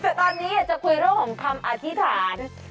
แต่ตอนนี้อยากจะคุยเรื่องของคำอธิษฐาน